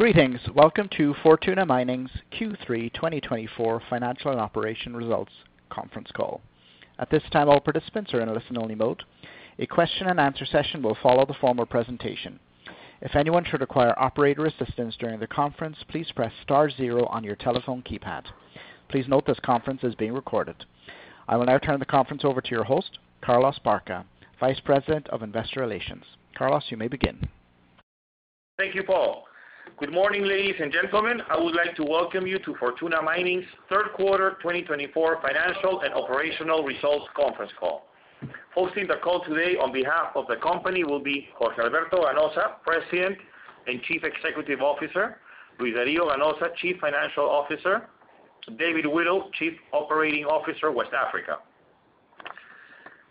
Greetings. Welcome to Fortuna Mining's Q3 2024 financial and operational results conference call. At this time, all participants are in a listen-only mode. A question-and-answer session will follow the formal presentation. If anyone should require operator assistance during the conference, please press star zero on your telephone keypad. Please note this conference is being recorded. I will now turn the conference over to your host, Carlos Baca, Vice President of Investor Relations. Carlos, you may begin. Thank you, Paul. Good morning, ladies and gentlemen. I would like to welcome you to Fortuna Mining's third quarter 2024 financial and operational results conference call. Hosting the call today on behalf of the company will be Jorge Alberto Ganoza, President and Chief Executive Officer, Luis Dario Ganoza, Chief Financial Officer, David Whittle, Chief Operating Officer, West Africa.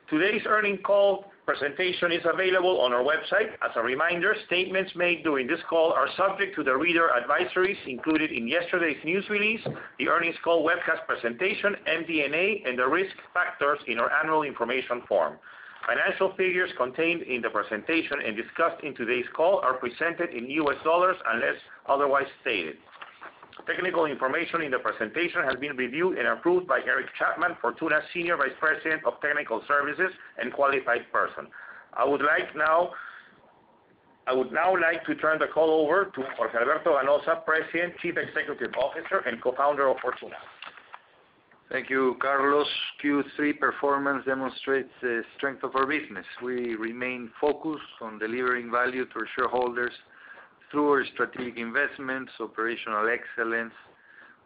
Today's earnings call presentation is available on our website. As a reminder, statements made during this call are subject to the reader advisories included in yesterday's news release, the earnings call webcast presentation, MD&A, and the risk factors in our annual information form. Financial figures contained in the presentation and discussed in today's call are presented in U.S. dollars unless otherwise stated. Technical information in the presentation has been reviewed and approved by Eric Chapman, Fortuna's Senior Vice President of Technical Services and Qualified Person. I would now like to turn the call over to Jorge Alberto Ganoza, President, Chief Executive Officer, and Co-founder of Fortuna. Thank you, Carlos. Q3 performance demonstrates the strength of our business. We remain focused on delivering value to our shareholders through our strategic investments, operational excellence,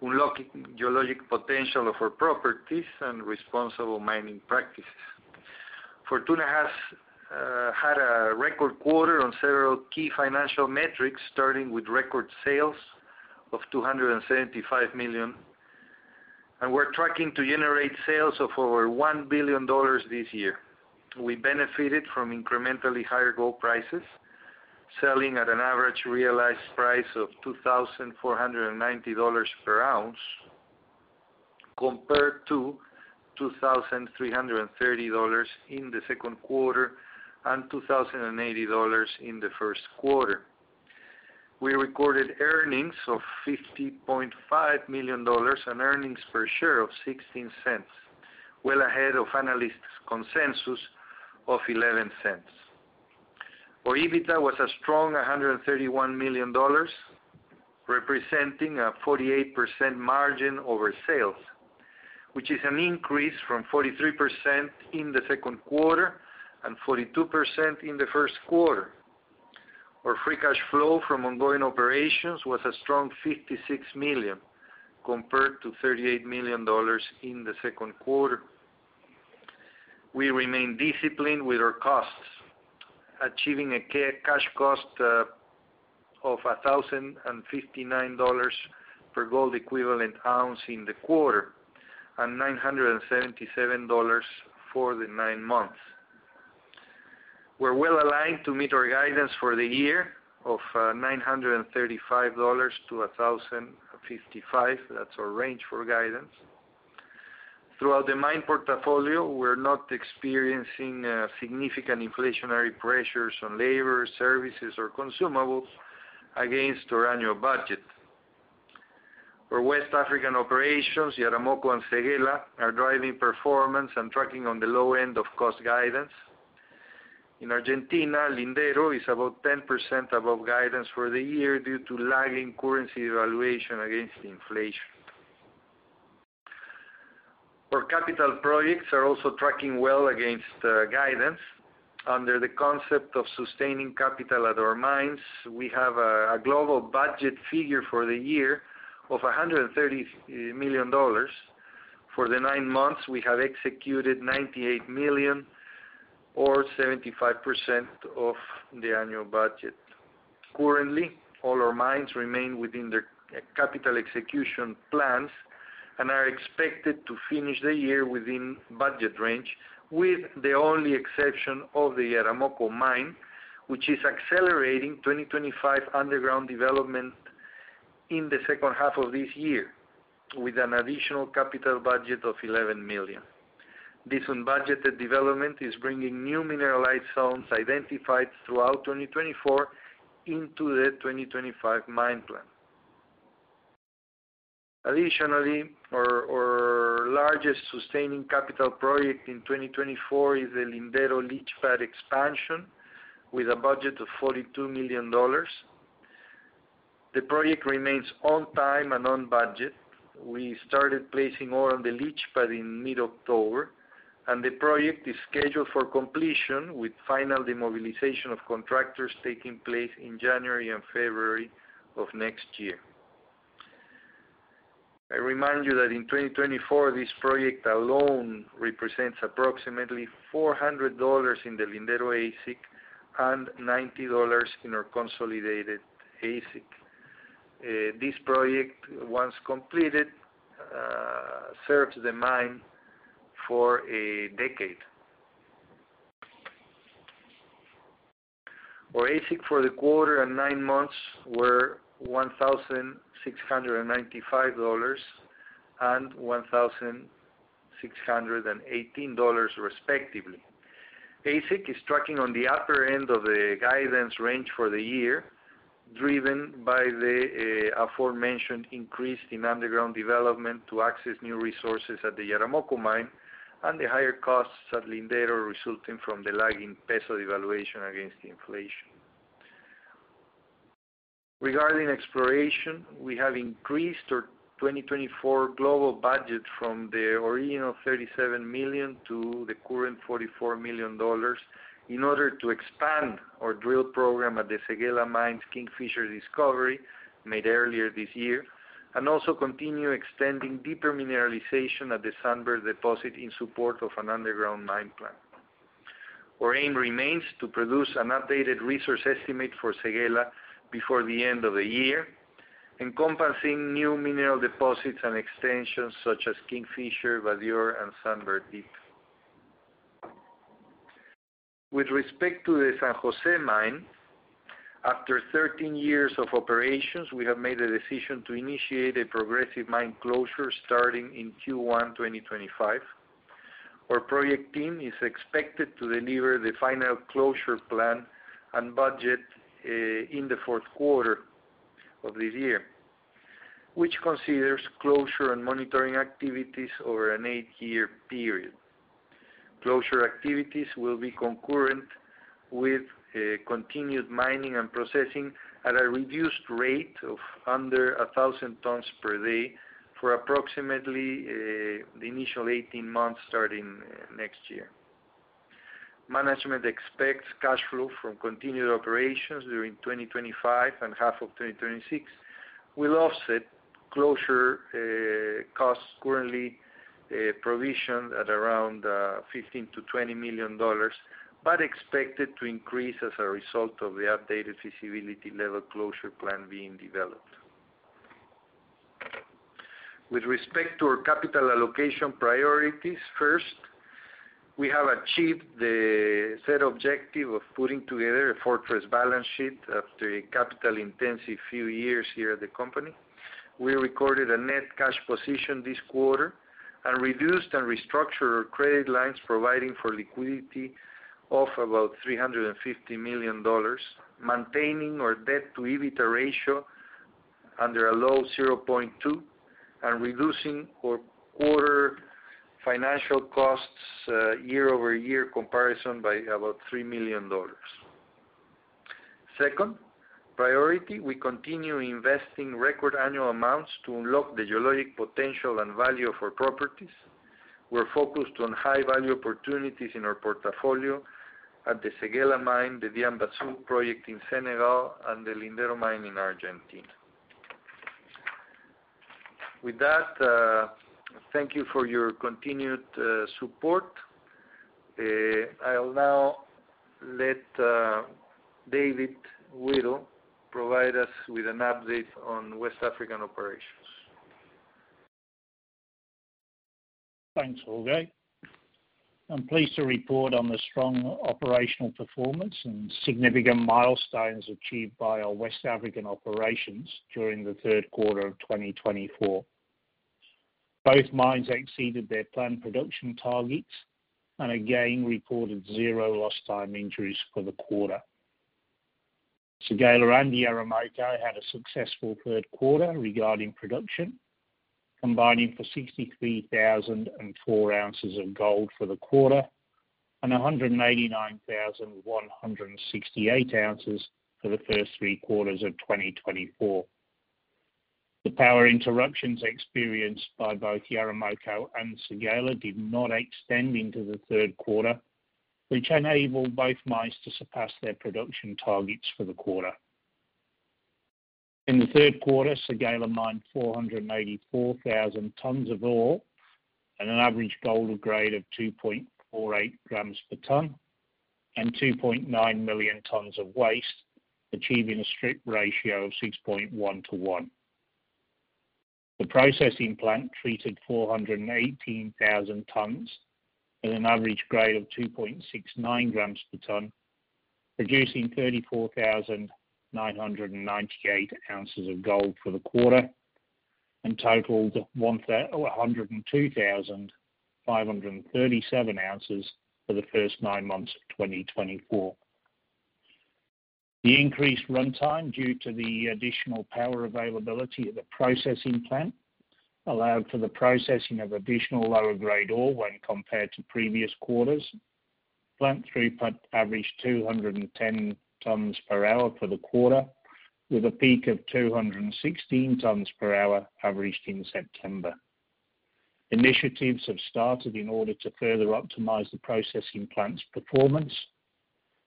unlocking geologic potential of our properties, and responsible mining practices. Fortuna has had a record quarter on several key financial metrics, starting with record sales of $275 million, and we're tracking to generate sales of over $1 billion this year. We benefited from incrementally higher gold prices, selling at an average realized price of $2,490 per ounce, compared to $2,330 in the second quarter and $2,080 in the first quarter. We recorded earnings of $50.5 million and earnings per share of $0.16, well ahead of analysts' consensus of $0.11. Our EBITDA was a strong $131 million, representing a 48% margin over sales, which is an increase from 43% in the second quarter and 42% in the first quarter. Our free cash flow from ongoing operations was a strong $56 million, compared to $38 million in the second quarter. We remain disciplined with our costs, achieving a cash cost of $1,059 per gold equivalent ounce in the quarter and $977 for the nine months. We're well aligned to meet our guidance for the year of $935-$1,055. That's our range for guidance. Throughout the mine portfolio, we're not experiencing significant inflationary pressures on labor, services, or consumables against our annual budget. Our West African operations, Yaramoko and Séguéla, are driving performance and tracking on the low end of cost guidance. In Argentina, Lindero is about 10% above guidance for the year due to lagging currency devaluation against inflation. Our capital projects are also tracking well against guidance. Under the concept of sustaining capital at our mines, we have a global budget figure for the year of $130 million. For the nine months, we have executed $98 million, or 75% of the annual budget. Currently, all our mines remain within their capital execution plans and are expected to finish the year within budget range, with the only exception of the Yaramoko Mine, which is accelerating 2025 underground development in the second half of this year, with an additional capital budget of $11 million. This unbudgeted development is bringing new mineralized zones identified throughout 2024 into the 2025 mine plan. Additionally, our largest sustaining capital project in 2024 is the Lindero leach pad expansion, with a budget of $42 million. The project remains on time and on budget. We started placing ore on the leach pad in mid-October, and the project is scheduled for completion, with final demobilization of contractors taking place in January and February of next year. I remind you that in 2024, this project alone represents approximately $400 in the Lindero AISC and $90 in our consolidated AISC. This project, once completed, serves the mine for a decade. Our AISC for the quarter and nine months were $1,695 and $1,618, respectively. AISC is tracking on the upper end of the guidance range for the year, driven by the aforementioned increase in underground development to access new resources at the Yaramoko Mine and the higher costs at Lindero resulting from the lagging peso devaluation against inflation. Regarding exploration, we have increased our 2024 global budget from the original $37 million to the current $44 million in order to expand our drill program at the Séguéla Mine's Kingfisher discovery made earlier this year and also continue extending deeper mineralization at the Sunbird deposit in support of an underground mine plan. Our aim remains to produce an updated resource estimate for Séguéla before the end of the year, encompassing new mineral deposits and extensions such as Kingfisher, Badior, and Sunbird dip. With respect to the San José Mine, after 13 years of operations, we have made the decision to initiate a progressive mine closure starting in Q1 2025. Our project team is expected to deliver the final closure plan and budget in the fourth quarter of this year, which considers closure and monitoring activities over an eight-year period. Closure activities will be concurrent with continued mining and processing at a reduced rate of under 1,000 tons per day for approximately the initial 18 months starting next year. Management expects cash flow from continued operations during 2025 and half of 2026 will offset closure costs currently provisioned at around $15 million-$20 million, but expected to increase as a result of the updated feasibility level closure plan being developed. With respect to our capital allocation priorities, first, we have achieved the set objective of putting together a fortress balance sheet after a capital-intensive few years here at the company. We recorded a net cash position this quarter and reduced and restructured our credit lines, providing for liquidity of about $350 million, maintaining our debt-to-EBITDA ratio under a low 0.2 and reducing our quarter financial costs year-over-year comparison by about $3 million. Second priority, we continue investing record annual amounts to unlock the geologic potential and value of our properties. We're focused on high-value opportunities in our portfolio at the Séguéla Mine, the Diamba Sud Project in Senegal, and the Lindero Mine in Argentina. With that, thank you for your continued support. I'll now let David Whittle provide us with an update on West African operations. Thanks, Jorge. I'm pleased to report on the strong operational performance and significant milestones achieved by our West African operations during the third quarter of 2024. Both mines exceeded their planned production targets and again reported zero lost time injuries for the quarter. Séguéla and the Yaramoko had a successful third quarter regarding production, combining for 63,004 ounces of gold for the quarter and 189,168 ounces for the first three quarters of 2024. The power interruptions experienced by both Yaramoko and Séguéla did not extend into the third quarter, which enabled both mines to surpass their production targets for the quarter. In the third quarter, Séguéla mined 484,000 tons of ore at an average gold grade of 2.48 grams per ton and 2.9 million tons of waste, achieving a strip ratio of 6.1 to 1. The processing plant treated 418,000 tons at an average grade of 2.69 grams per ton, producing 34,998 ounces of gold for the quarter and totaled 102,537 ounces for the first nine months of 2024. The increased runtime due to the additional power availability at the processing plant allowed for the processing of additional lower-grade ore when compared to previous quarters. Plant throughput averaged 210 tons per hour for the quarter, with a peak of 216 tons per hour averaged in September. Initiatives have started in order to further optimize the processing plant's performance.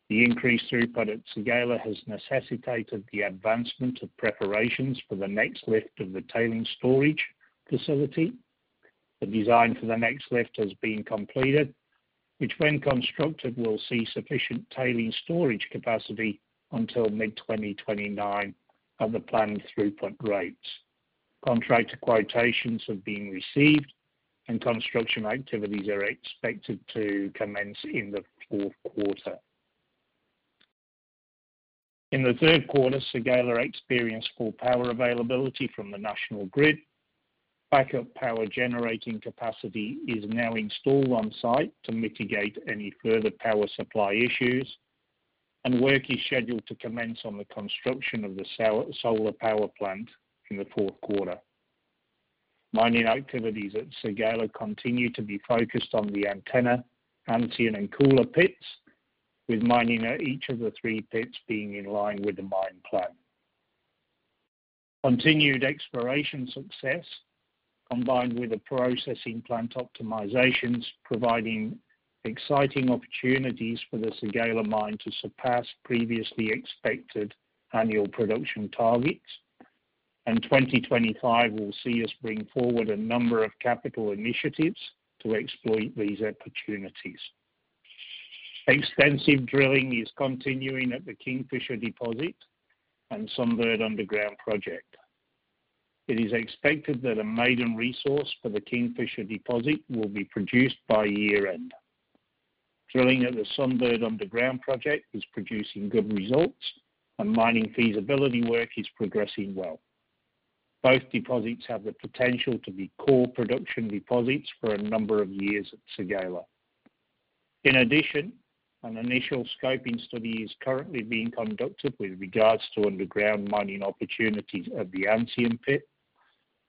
The increased throughput at Séguéla has necessitated the advancement of preparations for the next lift of the tailings storage facility. The design for the next lift has been completed, which, when constructed, will see sufficient tailings storage capacity until mid-2029 at the planned throughput rates. Contract quotations have been received, and construction activities are expected to commence in the fourth quarter. In the third quarter, Séguéla experienced full power availability from the national grid. Backup power generating capacity is now installed on site to mitigate any further power supply issues, and work is scheduled to commence on the construction of the solar power plant in the fourth quarter. Mining activities at Séguéla continue to be focused on the Antenna, Ancien, and Koula pits, with mining at each of the three pits being in line with the mine plan. Continued exploration success, combined with the processing plant optimizations, provides exciting opportunities for the Séguéla mine to surpass previously expected annual production targets, and 2025 will see us bring forward a number of capital initiatives to exploit these opportunities. Extensive drilling is continuing at the Kingfisher deposit and Sunbird underground project. It is expected that a maiden resource for the Kingfisher deposit will be produced by year-end. Drilling at the Sunbird underground project is producing good results, and mining feasibility work is progressing well. Both deposits have the potential to be core production deposits for a number of years at Séguéla. In addition, an initial scoping study is currently being conducted with regards to underground mining opportunities at the Ancien pit,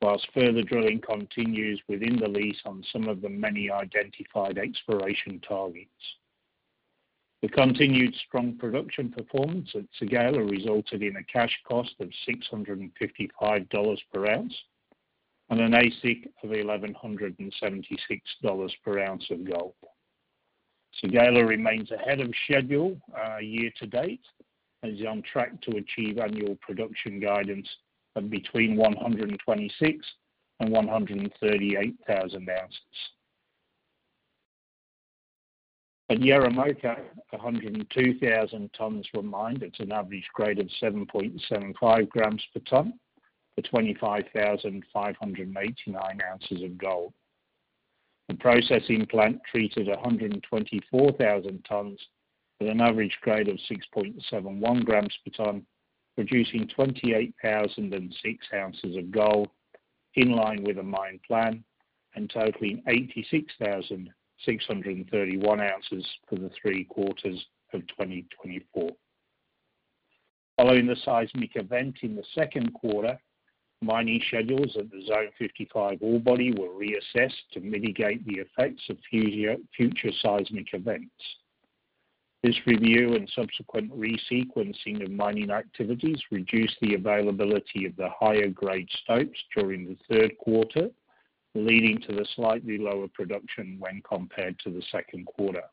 whilst further drilling continues within the lease on some of the many identified exploration targets. The continued strong production performance at Séguéla resulted in a cash cost of $655 per ounce and an AISC of $1,176 per ounce of gold. Séguéla remains ahead of schedule year-to-date and is on track to achieve annual production guidance of between 126,000 and 138,000 ounces. At Yaramoko, 102,000 tons were mined at an average grade of 7.75 grams per ton for 25,589 ounces of gold. The processing plant treated 124,000 tons at an average grade of 6.71 grams per ton, producing 28,006 ounces of gold in line with the mine plan and totaling 86,631 ounces for the three quarters of 2024. Following the seismic event in the second quarter, mining schedules at the Zone 55 ore body were reassessed to mitigate the effects of future seismic events. This review and subsequent re-sequencing of mining activities reduced the availability of the higher-grade stopes during the third quarter, leading to the slightly lower production when compared to the second quarter.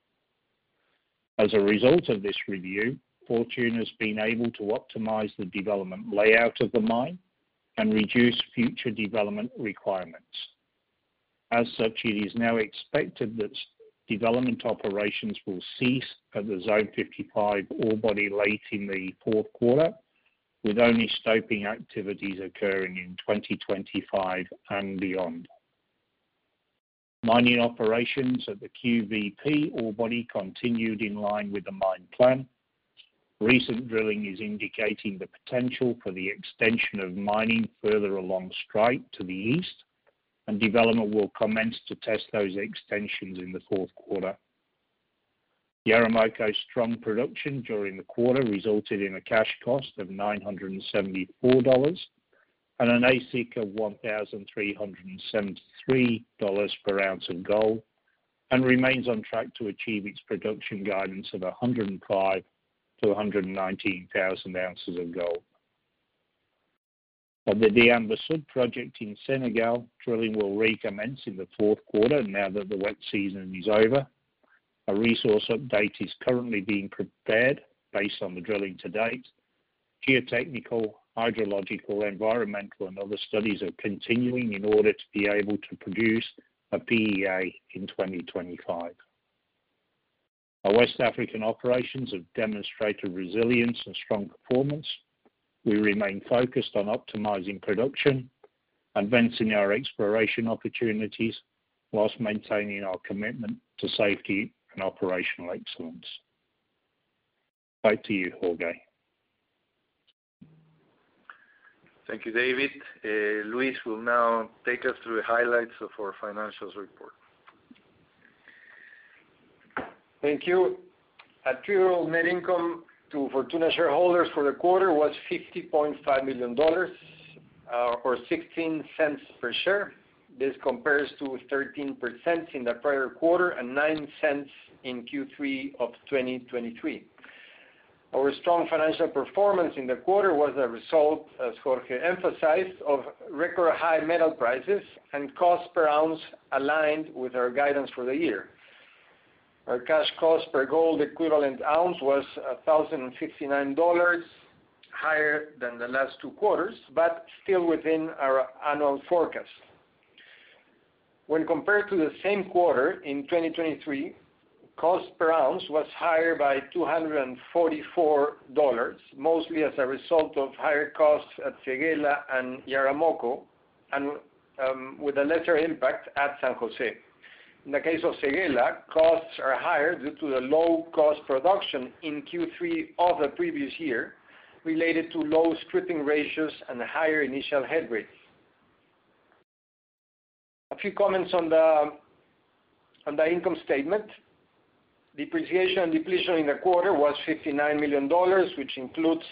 As a result of this review, Fortuna has been able to optimize the development layout of the mine and reduce future development requirements. As such, it is now expected that development operations will cease at the Zone 55 ore body late in the fourth quarter, with only stoping activities occurring in 2025 and beyond. Mining operations at the QVP ore body continued in line with the mine plan. Recent drilling is indicating the potential for the extension of mining further along strike to the east, and development will commence to test those extensions in the fourth quarter. Yaramoko's strong production during the quarter resulted in a cash cost of $974 and an AISC of $1,373 per ounce of gold, and remains on track to achieve its production guidance of 105,000-119,000 ounces of gold. At the Diamba Sud Project in Senegal, drilling will recommence in the fourth quarter now that the wet season is over. A resource update is currently being prepared based on the drilling to date. Geotechnical, hydrological, environmental, and other studies are continuing in order to be able to produce a PEA in 2025. Our West African operations have demonstrated resilience and strong performance. We remain focused on optimizing production, advancing our exploration opportunities, whilst maintaining our commitment to safety and operational excellence. Back to you, Jorge. Thank you, David. Luis will now take us through the highlights of our financials report. Thank you. Adjusted net income to Fortuna shareholders for the quarter was $50.5 million or $0.16 per share. This compares to $0.13 in the prior quarter and $0.09 in Q3 of 2023. Our strong financial performance in the quarter was a result, as Jorge emphasized, of record high metal prices and cost per ounce aligned with our guidance for the year. Our cash cost per gold equivalent ounce was $1,059, higher than the last two quarters, but still within our annual forecast. When compared to the same quarter in 2023, cost per ounce was higher by $244, mostly as a result of higher costs at Séguéla and Yaramoko, and with a lesser impact at San José. In the case of Séguéla, costs are higher due to the low cost production in Q3 of the previous year related to low stripping ratios and higher initial head grades. A few comments on the income statement. Depreciation and depletion in the quarter was $59 million, which includes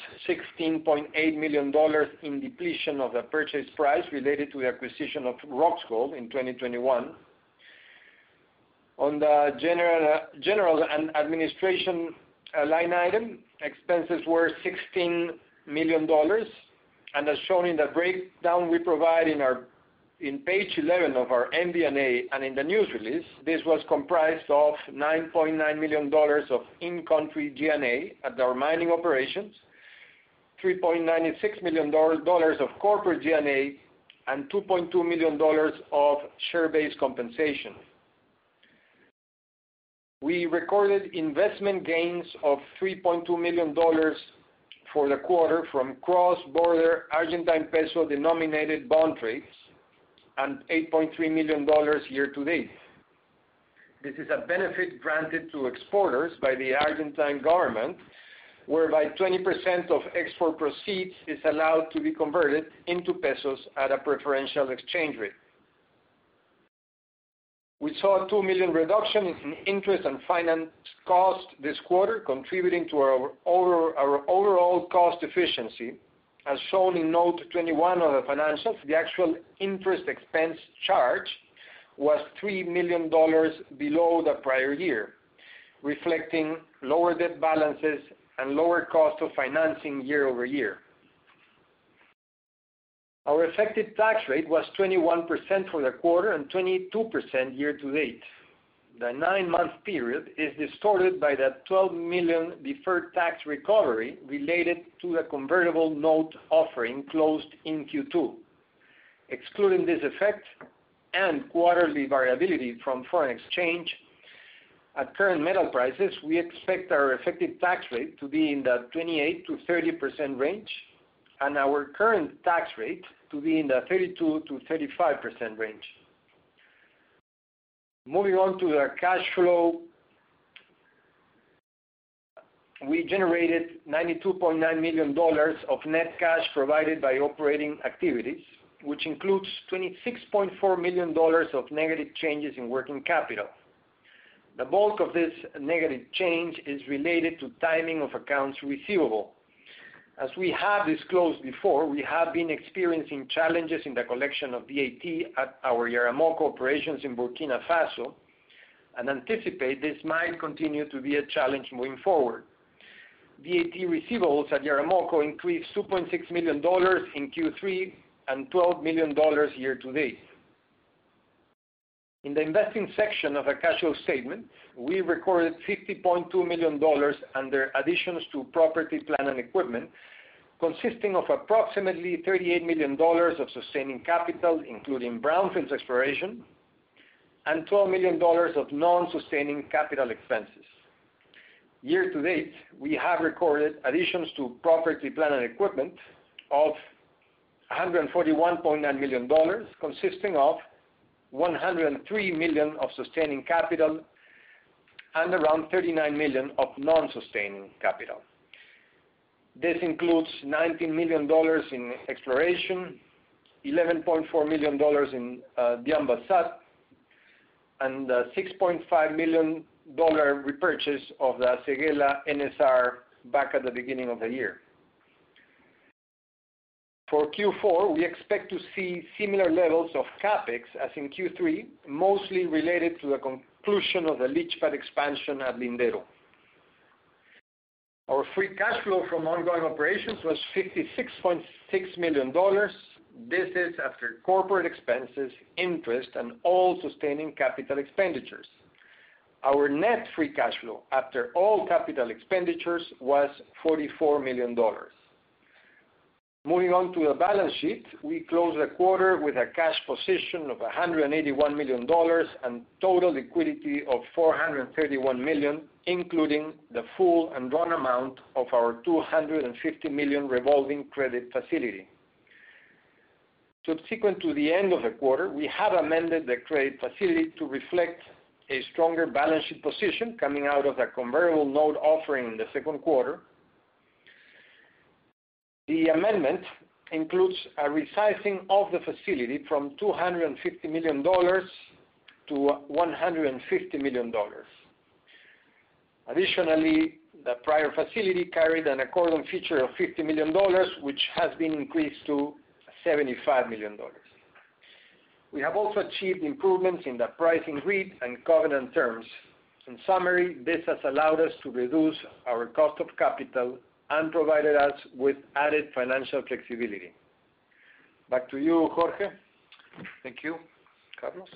$16.8 million in depletion of the purchase price related to the acquisition of Roxgold in 2021. On the general administration line item, expenses were $16 million, and as shown in the breakdown we provide in page 11 of our MD&A and in the news release, this was comprised of $9.9 million of in-country G&A at our mining operations, $3.96 million of corporate G&A, and $2.2 million of share-based compensation. We recorded investment gains of $3.2 million for the quarter from cross-border Argentine peso denominated bond trades and $8.3 million year-to-date. This is a benefit granted to exporters by the Argentine government, whereby 20% of export proceeds is allowed to be converted into pesos at a preferential exchange rate. We saw a $2 million reduction in interest and finance costs this quarter, contributing to our overall cost efficiency. As shown in note 21 of the financials, the actual interest expense charge was $3 million below the prior year, reflecting lower debt balances and lower cost of financing year-over-year. Our effective tax rate was 21% for the quarter and 22% year-to-date. The nine-month period is distorted by the $12 million deferred tax recovery related to the convertible note offering closed in Q2. Excluding this effect and quarterly variability from foreign exchange at current metal prices, we expect our effective tax rate to be in the 28%-30% range and our current tax rate to be in the 32%-35% range. Moving on to the cash flow, we generated $92.9 million of net cash provided by operating activities, which includes $26.4 million of negative changes in working capital. The bulk of this negative change is related to timing of accounts receivable. As we have disclosed before, we have been experiencing challenges in the collection of VAT at our Yaramoko operations in Burkina Faso, and anticipate this might continue to be a challenge moving forward. VAT receivables at Yaramoko increased $2.6 million in Q3 and $12 million year-to-date. In the investing section of the cash flow statement, we recorded $50.2 million under additions to property, plant, and equipment, consisting of approximately $38 million of sustaining capital, including brownfields exploration, and $12 million of non-sustaining capital expenses. Year-to-date, we have recorded additions to property, plant, and equipment of $141.9 million, consisting of $103 million of sustaining capital and around $39 million of non-sustaining capital. This includes $19 million in exploration, $11.4 million in Diamba Sud, and the $6.5 million repurchase of the Séguéla NSR back at the beginning of the year. For Q4, we expect to see similar levels of CapEx as in Q3, mostly related to the conclusion of the leach pad expansion at Lindero. Our free cash flow from ongoing operations was $56.6 million. This is after corporate expenses, interest, and all sustaining capital expenditures. Our net free cash flow after all capital expenditures was $44 million. Moving on to the balance sheet, we closed the quarter with a cash position of $181 million and total liquidity of $431 million, including the full undrawn amount of our $250 million revolving credit facility. Subsequent to the end of the quarter, we have amended the credit facility to reflect a stronger balance sheet position coming out of the convertible note offering in the second quarter. The amendment includes a resizing of the facility from $250 million-$150 million. Additionally, the prior facility carried an accordion feature of $50 million, which has been increased to $75 million. We have also achieved improvements in the pricing grid and covenant terms. In summary, this has allowed us to reduce our cost of capital and provided us with added financial flexibility. Back to you, Jorge. Thank you, Carlos.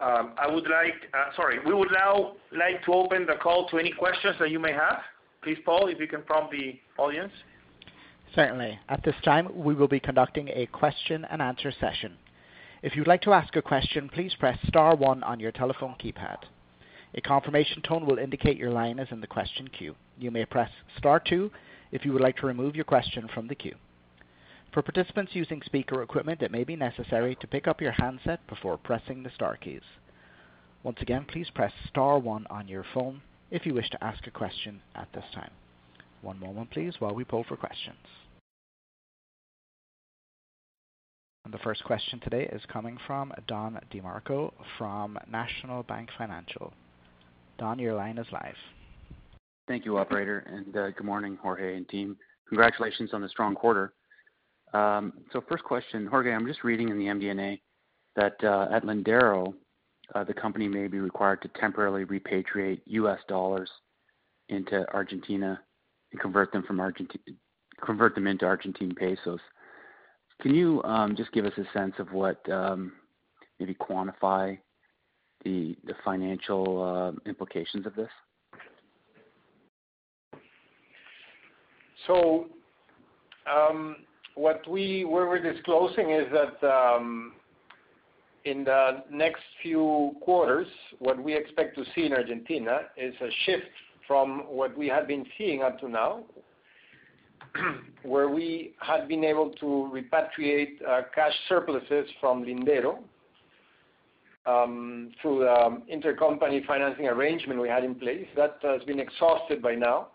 I would like, sorry, we would now like to open the call to any questions that you may have. Please, Paul, if you can prompt the audience. Certainly. At this time, we will be conducting a question-and-answer session. If you'd like to ask a question, please press star one on your telephone keypad. A confirmation tone will indicate your line is in the question queue. You may press star two if you would like to remove your question from the queue. For participants using speaker equipment, it may be necessary to pick up your handset before pressing the star keys. Once again, please press star one on your phone if you wish to ask a question at this time. One moment, please, while we pull for questions. And the first question today is coming from Don DeMarco from National Bank Financial. Don, your line is live. Thank you, Operator, and good morning, Jorge and team. Congratulations on the strong quarter. First question, Jorge, I'm just reading in the MD&A that at Lindero, the company may be required to temporarily repatriate U.S. dollars into Argentina and convert them into Argentine pesos. Can you just give us a sense of what, maybe quantify the financial implications of this? So what we were disclosing is that in the next few quarters, what we expect to see in Argentina is a shift from what we had been seeing up to now, where we had been able to repatriate cash surpluses from Lindero through the intercompany financing arrangement we had in place. That has been exhausted by now.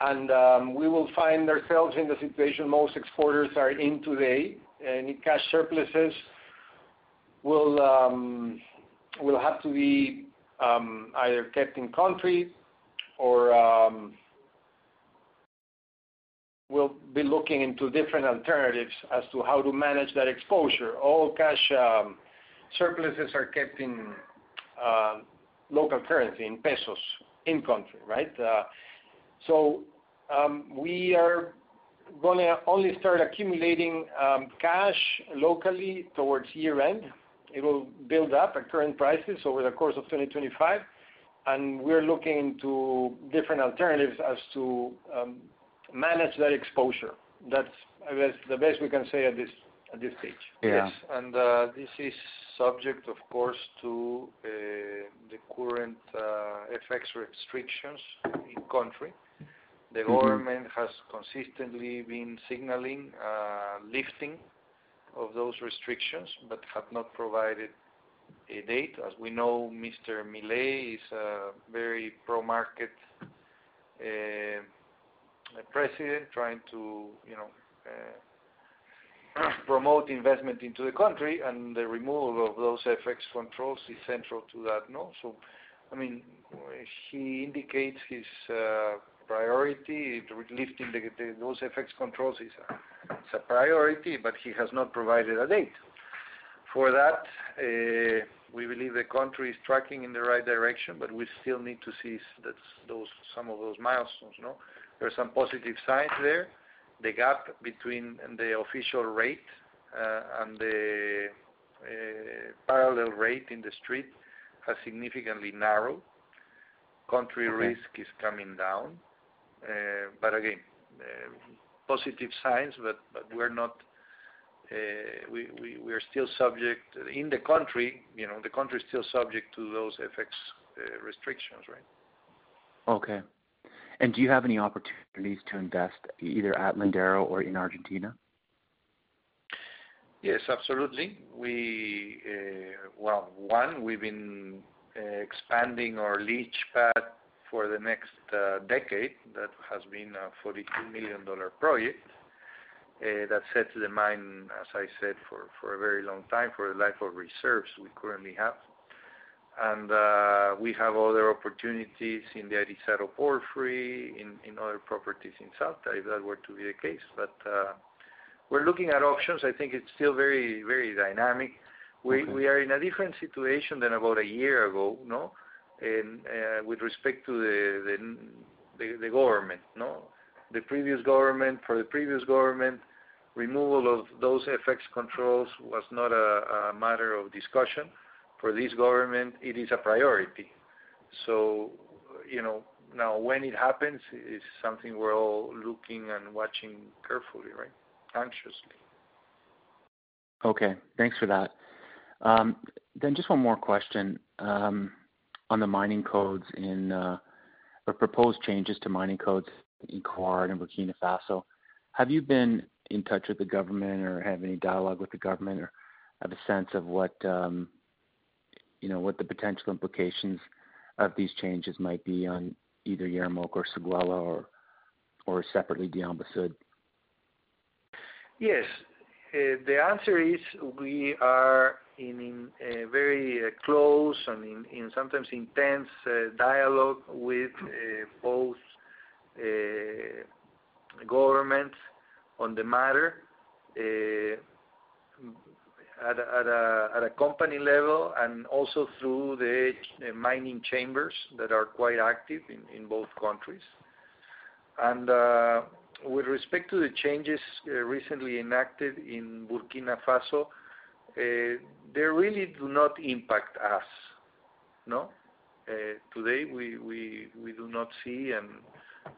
And we will find ourselves in the situation most exporters are in today. Any cash surpluses will have to be either kept in country or we'll be looking into different alternatives as to how to manage that exposure. All cash surpluses are kept in local currency, in pesos, in country, right? So we are going to only start accumulating cash locally towards year-end. It will build up at current prices over the course of 2025. And we're looking into different alternatives as to manage that exposure. That's, I guess, the best we can say at this stage. Yes. And this is subject, of course, to the current FX restrictions in country. The government has consistently been signaling lifting of those restrictions but have not provided a date. As we know, Mr. Milei is a very Pro-Market President trying to promote investment into the country. And the removal of those FX controls is central to that. So I mean, he indicates his priority in lifting those FX controls is a priority, but he has not provided a date for that. We believe the country is tracking in the right direction, but we still need to see some of those milestones. There are some positive signs there. The gap between the official rate and the parallel rate in the street has significantly narrowed. Country risk is coming down. But again, positive signs, but we are still subject in the country. The country is still subject to those FX restrictions, right? Okay. And do you have any opportunities to invest either at Lindero or in Argentina? Yes, absolutely. Well, one, we've been expanding our leach pad for the next decade. That has been a $42 million project that sets the mine, as I said, for a very long time for the life of reserves we currently have. And we have other opportunities in the Arizaro porphyry, in other properties in South, if that were to be the case. But we're looking at options. I think it's still very, very dynamic. We are in a different situation than about a year ago with respect to the government. The previous government, for the previous government, removal of those FX controls was not a matter of discussion. For this government, it is a priority. So now when it happens is something we're all looking and watching carefully, right? Consciously. Okay. Thanks for that, then just one more question on the mining codes and the proposed changes to mining codes in Côte d'Ivoire and Burkina Faso. Have you been in touch with the government or have any dialogue with the government or have a sense of what the potential implications of these changes might be on either Yaramoko or Séguéla or separately Diamba Sud? Yes. The answer is we are in a very close and sometimes intense dialogue with both governments on the matter at a company level and also through the mining chambers that are quite active in both countries. And with respect to the changes recently enacted in Burkina Faso, they really do not impact us. Today, we do not see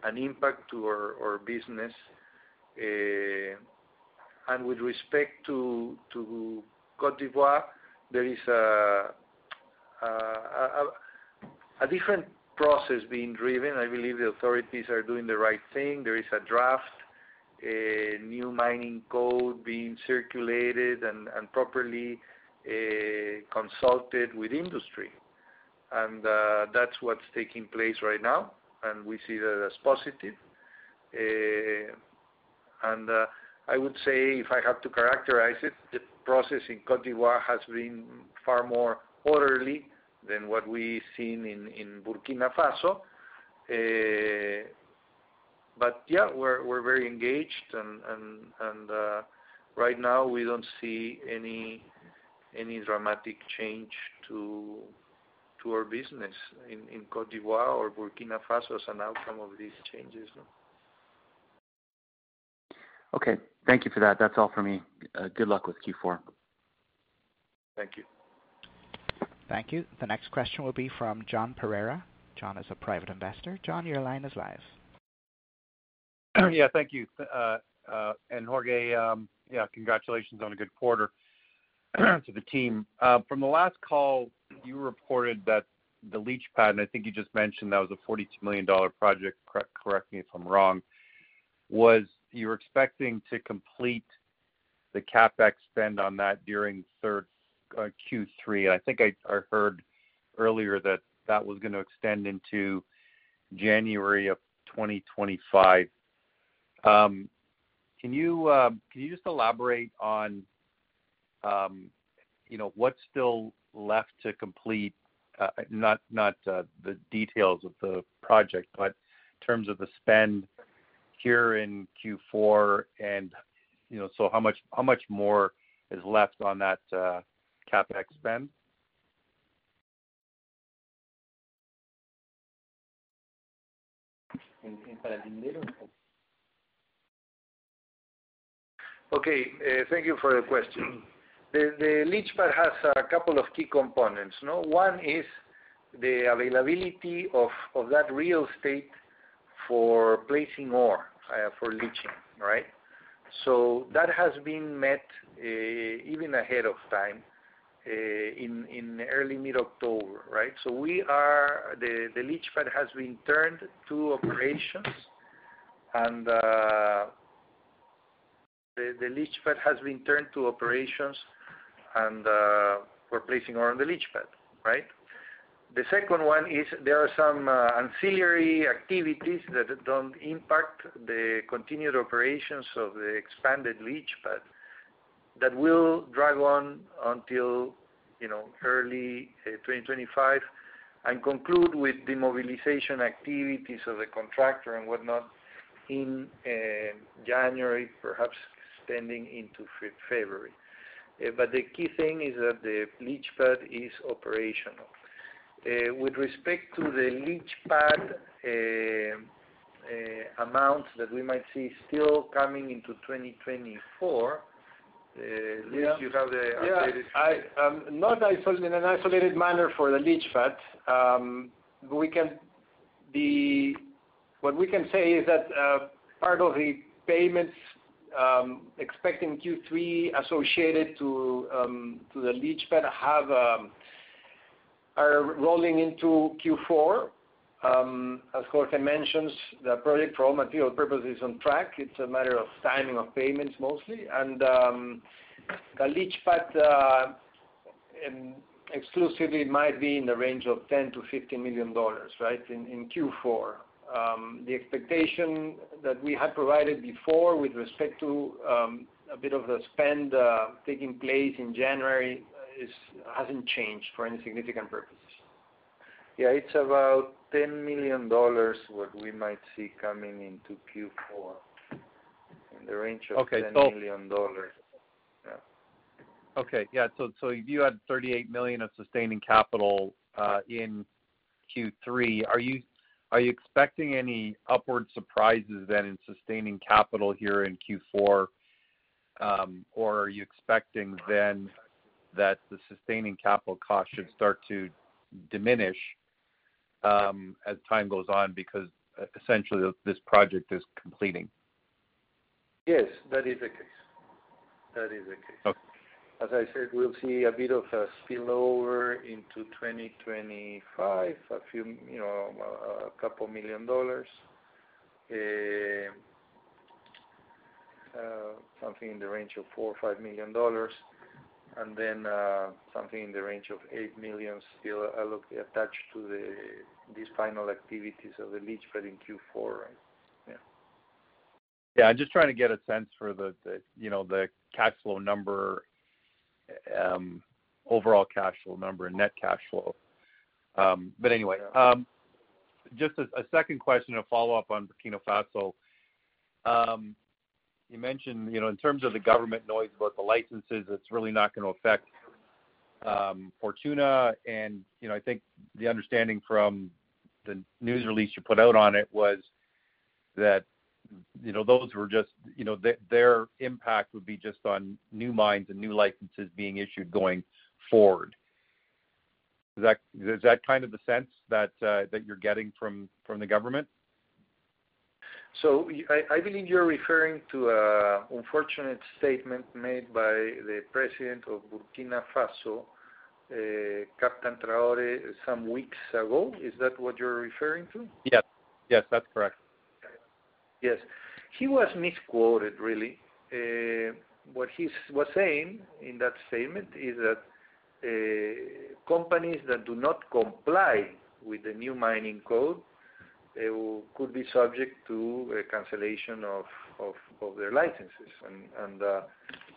an impact to our business. And with respect to Côte d'Ivoire, there is a different process being driven. I believe the authorities are doing the right thing. There is a draft, a new mining code being circulated and properly consulted with industry. And that's what's taking place right now. And we see that as positive. And I would say, if I have to characterize it, the process in Côte d'Ivoire has been far more orderly than what we've seen in Burkina Faso. But yeah, we're very engaged. Right now, we don't see any dramatic change to our business in Côte d'Ivoire or Burkina Faso as an outcome of these changes. Okay. Thank you for that. That's all for me. Good luck with Q4. Thank you. Thank you. The next question will be from John Pereira. John is a private investor. John, your line is live. Yeah. Thank you. And Jorge, yeah, congratulations on a good quarter to the team. From the last call, you reported that the leach pad, and I think you just mentioned that was a $42 million project, correct me if I'm wrong, was you were expecting to complete the CapEx spend on that during Q3. And I think I heard earlier that that was going to extend into January of 2025. Can you just elaborate on what's still left to complete, not the details of the project, but in terms of the spend here in Q4? And so how much more is left on that CapEx spend? Okay. Thank you for the question. The leach pad has a couple of key components. One is the availability of that real estate for placing ore for leaching, right? So that has been met even ahead of time in early, mid-October, right? So the leach pad has been turned to operations, and the leach pad has been turned to operations and for placing ore on the leach pad, right? The second one is there are some ancillary activities that don't impact the continued operations of the expanded leach pad that will drag on until early 2025 and conclude with the mobilization activities of the contractor and whatnot in January, perhaps extending into February. But the key thing is that the leach pad is operational. With respect to the leach pad amounts that we might see still coming into 2024, do you have the updated figure? Not in an isolated manner for the leach pad. What we can say is that part of the payments expecting Q3 associated to the leach pad are rolling into Q4. As Jorge mentioned, the project for all material purposes is on track. It's a matter of timing of payments mostly. And the leach pad exclusively might be in the range of $10 milion-$15 million, right, in Q4. The expectation that we had provided before with respect to a bit of the spend taking place in January hasn't changed for any significant purposes. Yeah. It's about $10 million what we might see coming into Q4 in the range of $10 million. Yeah. Okay. Yeah. So you had $38 million of sustaining capital in Q3. Are you expecting any upward surprises then in sustaining capital here in Q4, or are you expecting then that the sustaining capital cost should start to diminish as time goes on because essentially this project is completing? Yes. That is the case. That is the case. As I said, we'll see a bit of a spillover into 2025, a couple of million dollars, something in the range of $4 million-$5 million, and then something in the range of $8 million still attached to these final activities of the leach pad in Q4, right? Yeah. Yeah. I'm just trying to get a sense for the cash flow number, overall cash flow number, net cash flow. But anyway, just a second question to follow up on Burkina Faso. You mentioned in terms of the government noise about the licenses, it's really not going to affect Fortuna. And I think the understanding from the news release you put out on it was that those were just their impact would be just on new mines and new licenses being issued going forward. Is that kind of the sense that you're getting from the government? So I believe you're referring to an unfortunate statement made by the president of Burkina Faso, Captain Traoré, some weeks ago. Is that what you're referring to? Yes. Yes. That's correct. Yes. He was misquoted, really. What he was saying in that statement is that companies that do not comply with the new mining code could be subject to cancellation of their licenses, and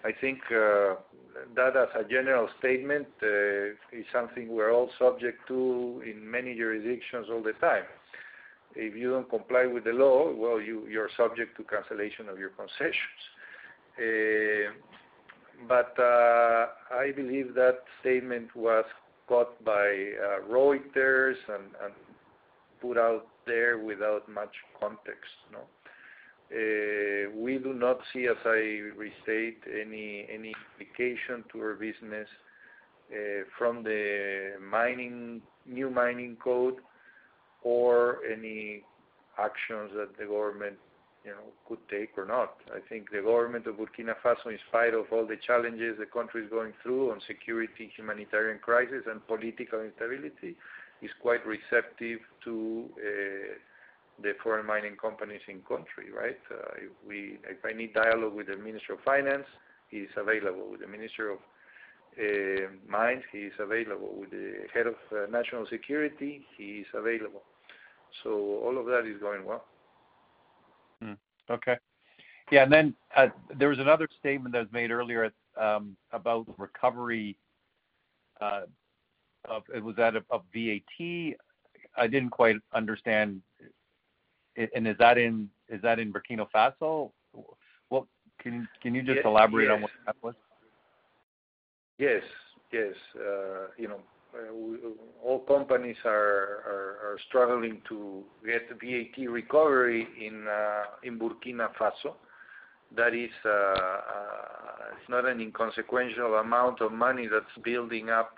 I think that as a general statement is something we're all subject to in many jurisdictions all the time. If you don't comply with the law, well, you're subject to cancellation of your concessions, but I believe that statement was caught by Reuters and put out there without much context. We do not see, as I restate, any implication to our business from the new mining code or any actions that the government could take or not. I think the government of Burkina Faso, in spite of all the challenges the country is going through on security, humanitarian crisis, and political instability, is quite receptive to the foreign mining companies in country, right? If I need dialogue with the Minister of Finance, he is available. With the Minister of Mines, he is available. With the Head of National Security, he is available. So all of that is going well. Okay. Yeah. And then there was another statement that was made earlier about recovery. Was that of VAT? I didn't quite understand. And is that in Burkina Faso? Can you just elaborate on what that was? Yes. Yes. All companies are struggling to get VAT recovery in Burkina Faso. That is not an inconsequential amount of money that's building up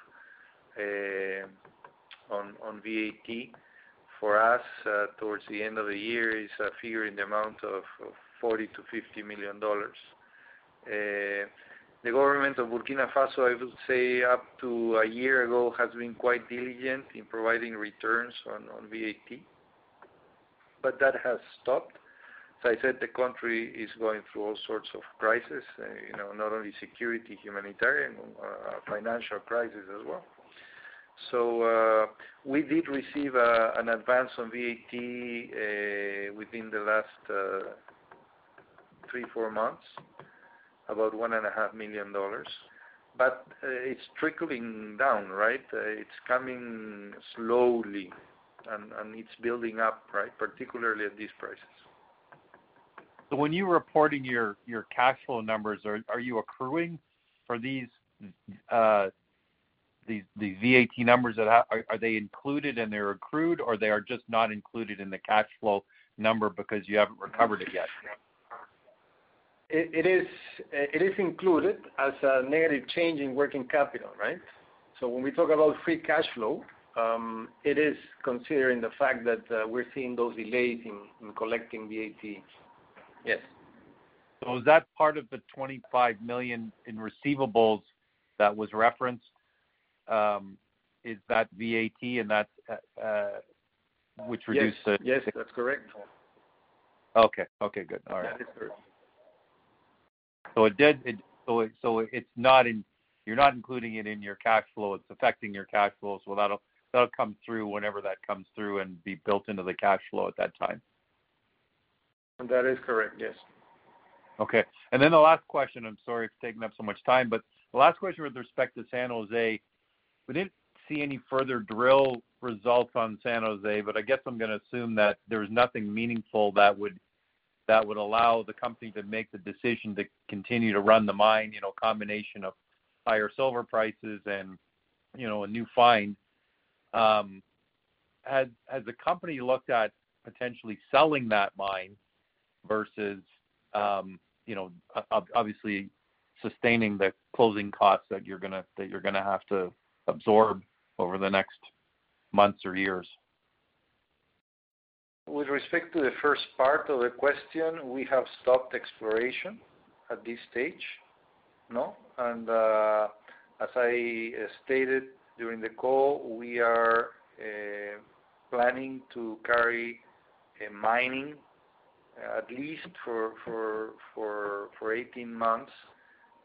on VAT. For us, towards the end of the year, it's a figure in the amount of $40 million-$50 million. The government of Burkina Faso, I would say up to a year ago, has been quite diligent in providing returns on VAT, but that has stopped. As I said, the country is going through all sorts of crises, not only security, humanitarian, financial crisis as well. So we did receive an advance on VAT within the last three, four months, about $1.5 million. But it's trickling down, right? It's coming slowly, and it's building up, right, particularly at these prices. So when you're reporting your cash flow numbers, are you accruing for these VAT numbers? Are they included and they're accrued, or they are just not included in the cash flow number because you haven't recovered it yet? It is included as a negative change in working capital, right? So when we talk about free cash flow, it is considering the fact that we're seeing those delays in collecting VAT. Yes. So is that part of the $25 million in receivables that was referenced? Is that VAT, which reduced the? Yes. Yes. That's correct. Okay. Good. All right. That is correct. So it's not in. You're not including it in your cash flow. It's affecting your cash flows. Well, that'll come through whenever that comes through and be built into the cash flow at that time. That is correct. Yes. Okay. Then the last question. I'm sorry it's taking up so much time. But the last question with respect to San José, we didn't see any further drill results on San José, but I guess I'm going to assume that there's nothing meaningful that would allow the company to make the decision to continue to run the mine, a combination of higher silver prices and a new find. Has the company looked at potentially selling that mine versus, obviously, sustaining the closing costs that you're going to have to absorb over the next months or years? With respect to the first part of the question, we have stopped exploration at this stage, and as I stated during the call, we are planning to carry mining at least for 18 months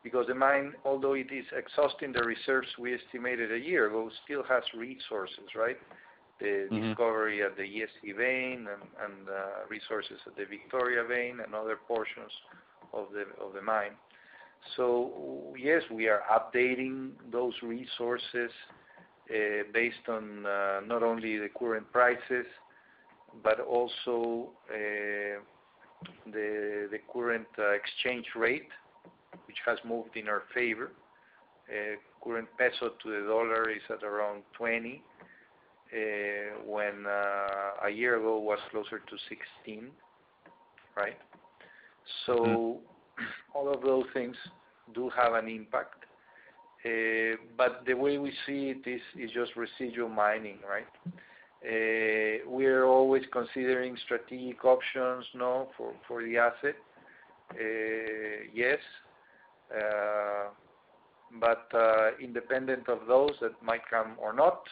because the mine, although it is exhausting the reserves we estimated a year ago, still has resources, right? The discovery at the Yessi vein and resources at the Victoria vein and other portions of the mine, so yes, we are updating those resources based on not only the current prices but also the current exchange rate, which has moved in our favor. Current peso to the dollar is at around 20, when a year ago it was closer to 16, right? So all of those things do have an impact, but the way we see it is just residual mining, right? We are always considering strategic options for the asset. Yes. But independent of those that might come or not,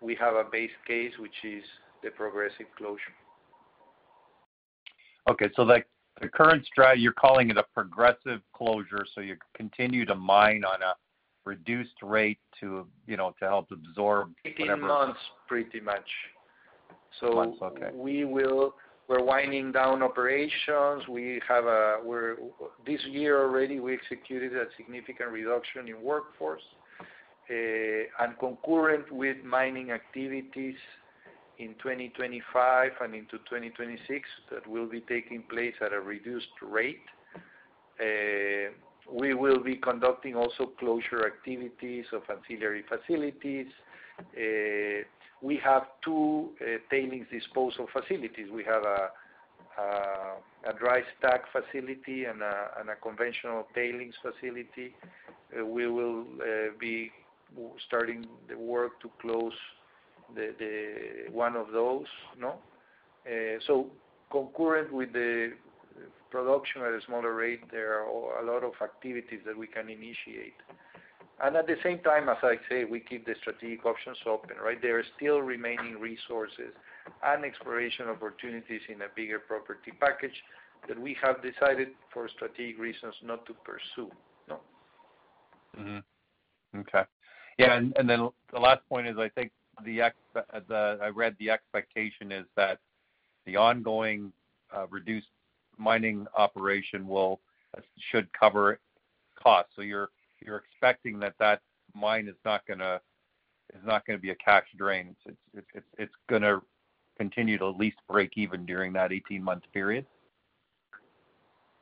we have a base case, which is the progressive closure. Okay. So the current strategy, you're calling it a progressive closure, so you continue to mine on a reduced rate to help absorb whatever? 18 months, pretty much, so we're winding down operations. This year already, we executed a significant reduction in workforce, and concurrent with mining activities in 2025 and into 2026 that will be taking place at a reduced rate, we will be conducting also closure activities of ancillary facilities. We have two tailings disposal facilities. We have a dry stack facility and a conventional tailings facility. We will be starting the work to close one of those, so concurrent with the production at a smaller rate, there are a lot of activities that we can initiate, and at the same time, as I say, we keep the strategic options open, right? There are still remaining resources and exploration opportunities in a bigger property package that we have decided for strategic reasons not to pursue. Okay. Yeah. And then the last point is I think the expectation is that the ongoing reduced mining operation should cover costs. So you're expecting that that mine is not going to be a cash drain. It's going to continue to at least break even during that 18-month period?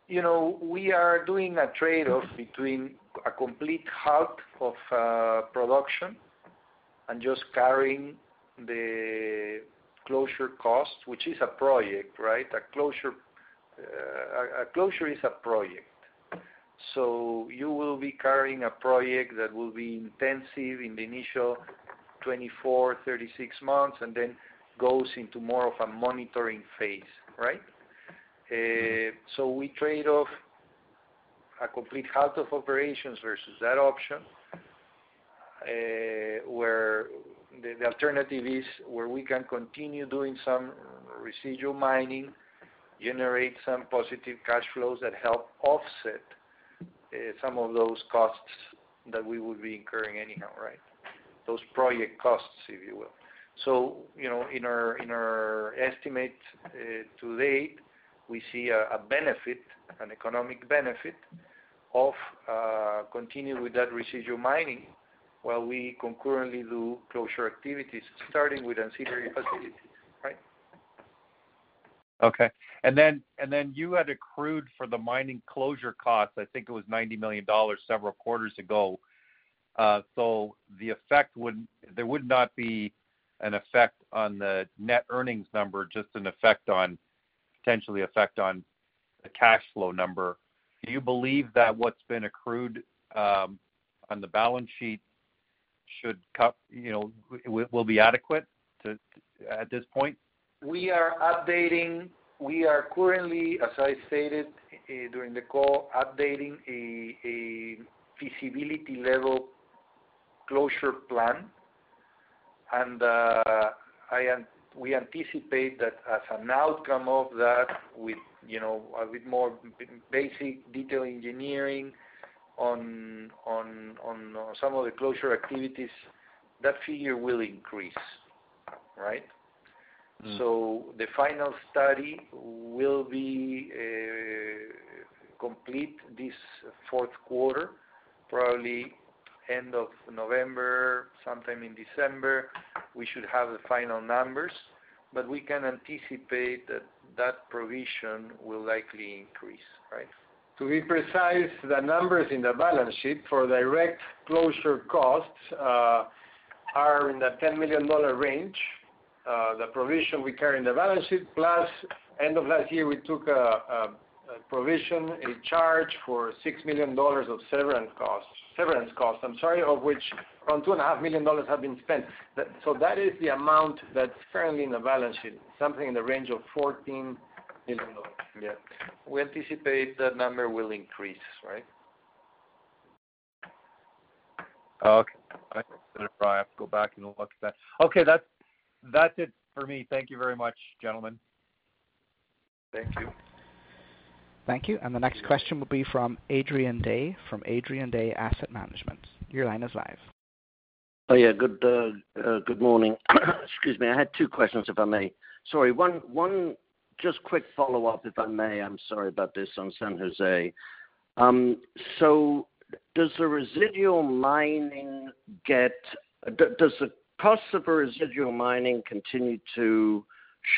We are doing a trade-off between a complete halt of production and just carrying the closure cost, which is a project, right? A closure is a project. So you will be carrying a project that will be intensive in the initial 24-36 months, and then goes into more of a monitoring phase, right? So we trade off a complete halt of operations versus that option where the alternative is where we can continue doing some residual mining, generate some positive cash flows that help offset some of those costs that we would be incurring anyhow, right? Those project costs, if you will. So in our estimates to date, we see an economic benefit of continuing with that residual mining while we concurrently do closure activities, starting with ancillary facilities, right? Okay. And then you had accrued for the mining closure costs, I think it was $90 million several quarters ago. So there would not be an effect on the net earnings number, just an effect on potentially the cash flow number. Do you believe that what's been accrued on the balance sheet will be adequate at this point? We are currently, as I stated during the call, updating a feasibility level closure plan, and we anticipate that as an outcome of that, with a bit more basic detail engineering on some of the closure activities, that figure will increase, right? , so the final study will be complete this fourth quarter, probably end of November, sometime in December. We should have the final numbers, but we can anticipate that that provision will likely increase, right? To be precise, the numbers in the balance sheet for direct closure costs are in the $10 million range. The provision we carry in the balance sheet plus end of last year, we took a provision, a charge for $6 million of severance costs. I'm sorry, of which around $2.5 million have been spent., so that is the amount that's currently in the balance sheet, something in the range of $14 million. Yeah. We anticipate that number will increase, right? Okay. All right. I have to go back and look at that. Okay. That's it for me. Thank you very much, gentlemen. Thank you. Thank you. And the next question will be from Adrian Day from Adrian Day Asset Management. Your line is live. Oh, yeah. Good morning. Excuse me. I had two questions, if I may. Sorry. One just quick follow-up, if I may. I'm sorry about this on San José. So does the residual mining get does the cost of residual mining continue to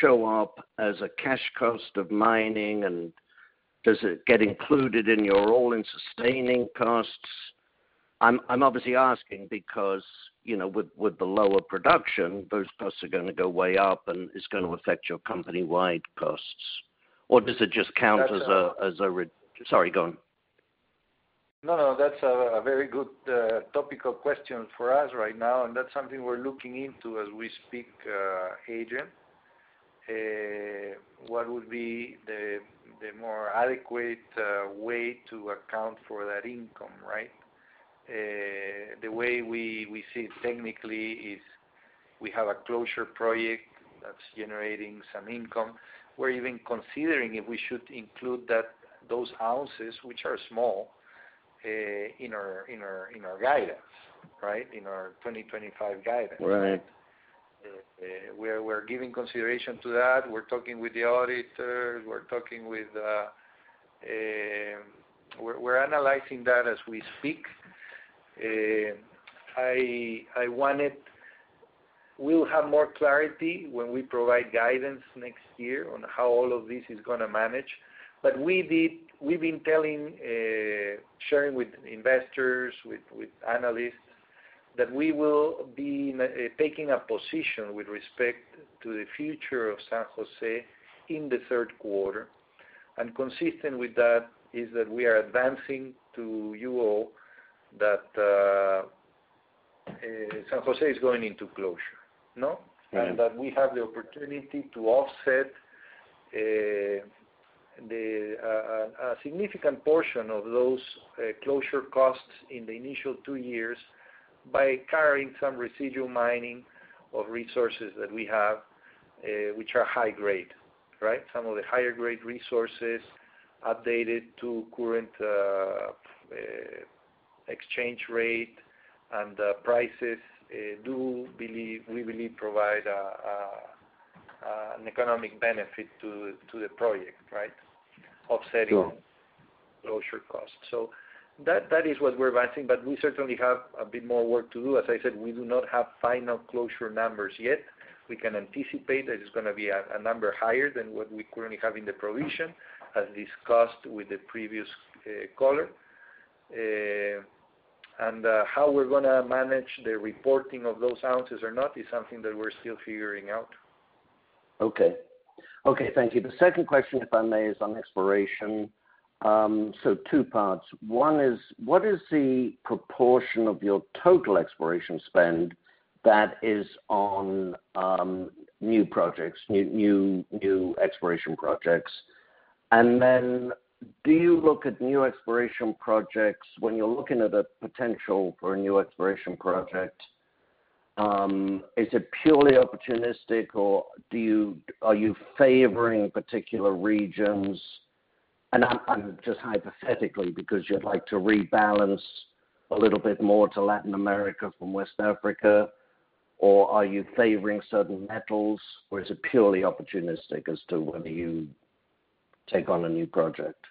show up as a cash cost of mining, and does it get included in your all-in-sustaining costs? I'm obviously asking because with the lower production, those costs are going to go way up, and it's going to affect your company-wide costs. Or does it just count as a, sorry, go on. No, no. That's a very good topical question for us right now, and that's something we're looking into as we speak, Adrian. What would be the more adequate way to account for that income, right? The way we see it technically is we have a closure project that's generating some income. We're even considering if we should include those ounces, which are small, in our guidance, right? In our 2025 guidance. We're giving consideration to that. We're talking with the auditor. We're analyzing that as we speak. We'll have more clarity when we provide guidance next year on how all of this is going to manage. But we've been sharing with investors, with analysts, that we will be taking a position with respect to the future of San José in the third quarter. Consistent with that is that we are advancing to you all that San José is going into closure, and that we have the opportunity to offset a significant portion of those closure costs in the initial two years by carrying some residual mining of resources that we have, which are high grade, right? Some of the higher grade resources updated to current exchange rate and prices do, we believe, provide an economic benefit to the project, right? Offsetting closure costs. That is what we're advancing, but we certainly have a bit more work to do. As I said, we do not have final closure numbers yet. We can anticipate that it's going to be a number higher than what we currently have in the provision as discussed with the previous caller. How we're going to manage the reporting of those ounces or not is something that we're still figuring out. Okay. Okay. Thank you. The second question, if I may, is on exploration. So two parts. One is, what is the proportion of your total exploration spend that is on new projects, new exploration projects? And then do you look at new exploration projects when you're looking at a potential for a new exploration project? Is it purely opportunistic, or are you favoring particular regions? And I'm just hypothetically because you'd like to rebalance a little bit more to Latin America from West Africa, or are you favoring certain metals, or is it purely opportunistic as to whether you take on a new project?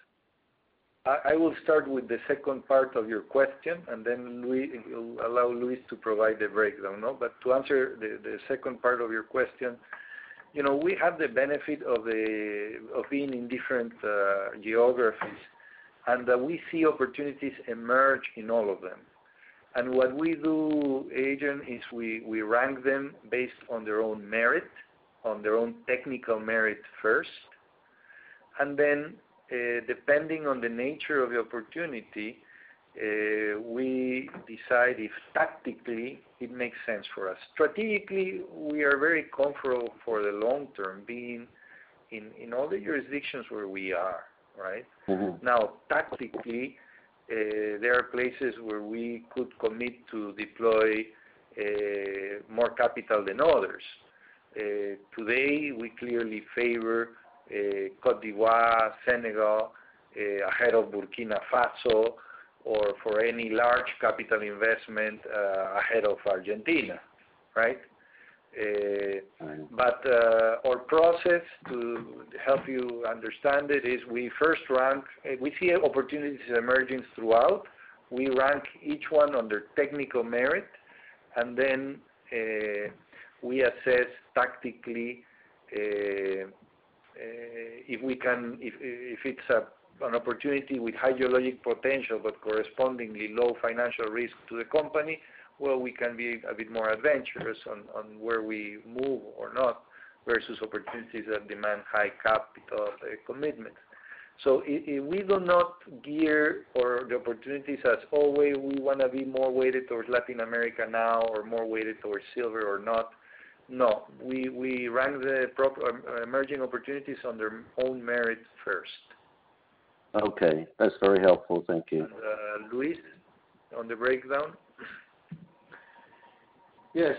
I will start with the second part of your question, and then we'll allow Luis to provide the breakdown. But to answer the second part of your question, we have the benefit of being in different geographies, and we see opportunities emerge in all of them. And what we do, Adrian, is we rank them based on their own merit, on their own technical merit first. And then, depending on the nature of the opportunity, we decide if tactically it makes sense for us. Strategically, we are very comfortable for the long term being in all the jurisdictions where we are, right? Now, tactically, there are places where we could commit to deploy more capital than others. Today, we clearly favor Côte d'Ivoire, Senegal, ahead of Burkina Faso, or for any large capital investment ahead of Argentina, right? Our process, to help you understand it, is we first rank the opportunities we see emerging throughout. We rank each one under technical merit, and then we assess tactically if it's an opportunity with hydrologic potential but correspondingly low financial risk to the company, where we can be a bit more adventurous on where we move or not versus opportunities that demand high capital commitments. We do not gear the opportunities as, "Oh, we want to be more weighted towards Latin America now or more weighted towards silver or not." No. We rank the emerging opportunities under own merit first. Okay. That's very helpful. Thank you. Luis, on the breakdown? Yeah.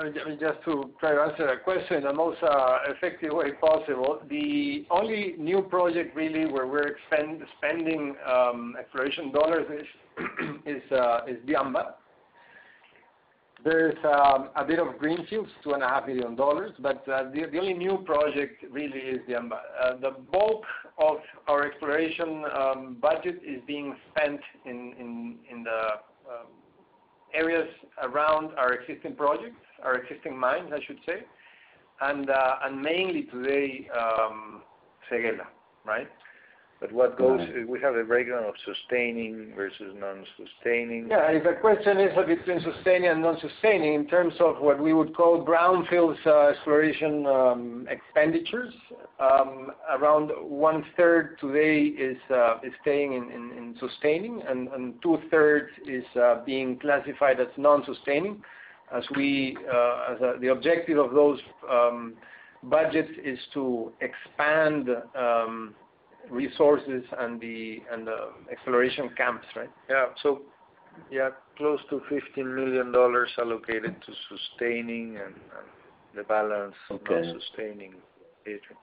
And just to try to answer that question in the most effective way possible, the only new project really where we're spending exploration dollars is Diamba. There's a bit of greenfields, $2.5 million, but the only new project really is Diamba. The bulk of our exploration budget is being spent in the areas around our existing projects, our existing mines, I should say, and mainly today, Séguéla, right? But what goes. We have a breakdown of sustaining versus non-sustaining. Yeah. The question is between sustaining and non-sustaining in terms of what we would call brownfields exploration expenditures. Around one-third today is staying in sustaining, and two-thirds is being classified as non-sustaining, as the objective of those budgets is to expand resources and the exploration camps, right? Yeah. So yeah, close to $15 million allocated to sustaining and the balance on sustaining, Adrian.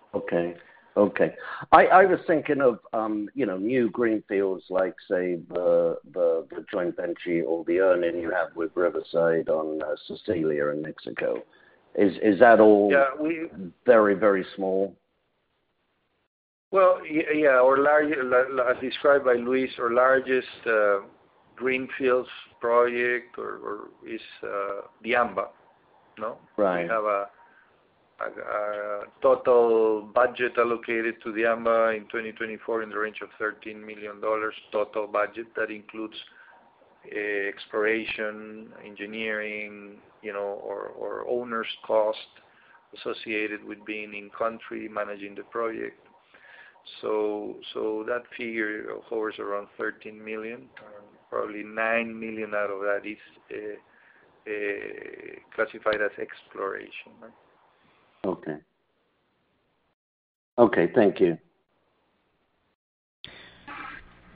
Okay. I was thinking of new greenfields like, say, the Joint Venture or the earning you have with Riverside on Cecilia and Mexico. Is that all very, very small? Yeah. As described by Luis, our largest greenfields project is Diamba. We have a total budget allocated to Diamba in 2024 in the range of $13 million, total budget that includes exploration, engineering, or owner's cost associated with being in-country, managing the project. So that figure hovers around $13 million. Probably $9 million out of that is classified as exploration, right? Okay. Okay. Thank you.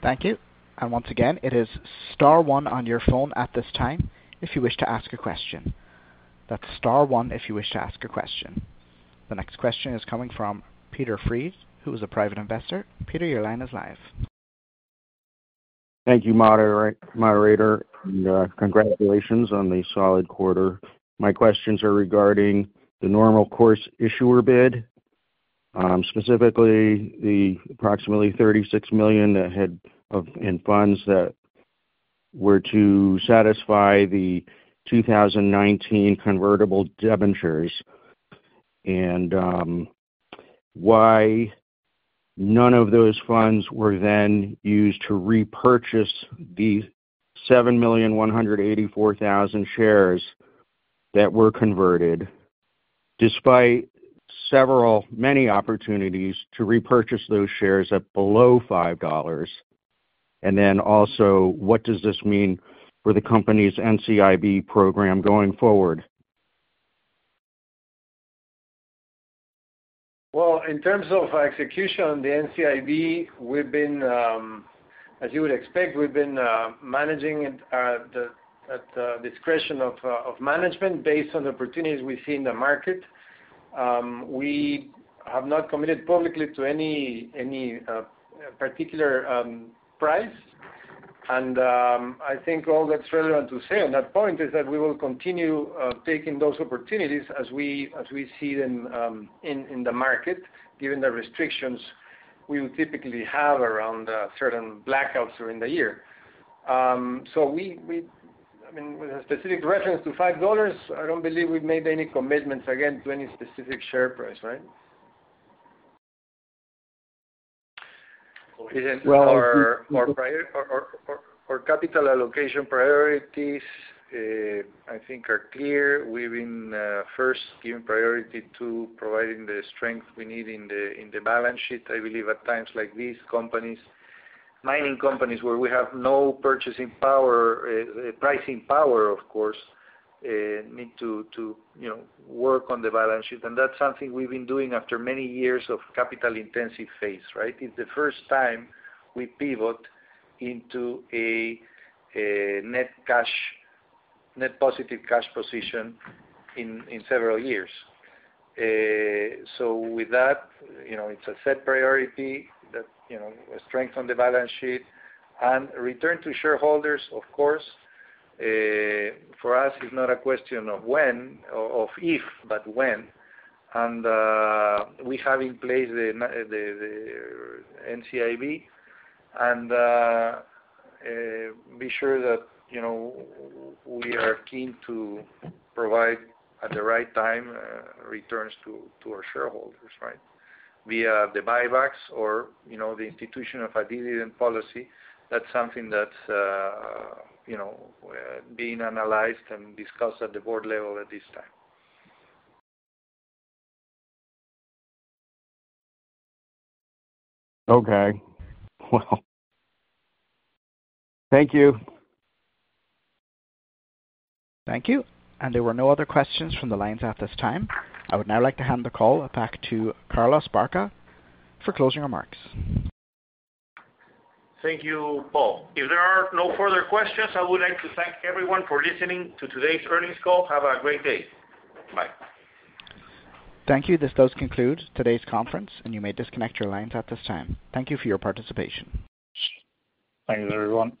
Thank you. And once again, it is star one on your phone at this time if you wish to ask a question. That's star one if you wish to ask a question. The next question is coming from Peter Freed, who is a private investor. Peter, your line is live. Thank you, moderator. Congratulations on the solid quarter. My questions are regarding the normal course issuer bid, specifically the approximately $36 million in funds that were to satisfy the 2019 convertible debentures, and why none of those funds were then used to repurchase the $7,184,000 shares that were converted despite many opportunities to repurchase those shares at below $5, and then also, what does this mean for the company's NCIB program going forward? Well, in terms of execution, the NCIB, as you would expect, we've been managing at the discretion of management based on the opportunities we see in the market. We have not committed publicly to any particular price. And I think all that's relevant to say on that point is that we will continue taking those opportunities as we see them in the market, given the restrictions we would typically have around certain blackouts during the year. So I mean, with a specific reference to $5, I don't believe we've made any commitments, again, to any specific share price, right? Our capital allocation priorities, I think, are clear. We've been first given priority to providing the strength we need in the balance sheet. I believe at times like these, mining companies where we have no pricing power, of course, need to work on the balance sheet. That's something we've been doing after many years of capital-intensive phase, right? It's the first time we pivot into a net positive cash position in several years. With that, it's a set priority that strengthens the balance sheet. Return to shareholders, of course, for us, it's not a question of when, of if, but when. We have in place the NCIB and be sure that we are keen to provide at the right time returns to our shareholders, right, via the buybacks or the institution of a dividend policy. That's something that's being analyzed and discussed at the board level at this time. Okay. Well, thank you. Thank you. And there were no other questions from the lines at this time. I would now like to hand the call back to Carlos Baca for closing remarks. Thank you, Paul. If there are no further questions, I would like to thank everyone for listening to today's earnings call. Have a great day. Bye. Thank you. This does conclude today's conference, and you may disconnect your lines at this time. Thank you for your participation. Thank you, everyone.